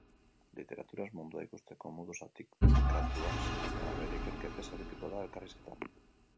Literaturaz, mundua ikusteko modu zatikatuaz eta bere ikerketez arituko da elkarrizketan.